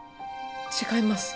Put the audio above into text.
違います。